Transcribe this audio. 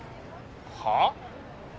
はあ？